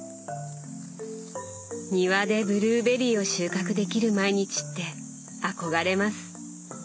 庭でブルーベリーを収穫できる毎日って憧れます。